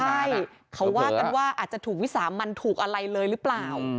ใช่เขาว่ากันว่าอาจจะถูกวิสามันถูกอะไรเลยหรือเปล่า